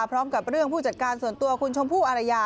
พร้อมกับเรื่องผู้จัดการส่วนตัวคุณชมพู่อารยา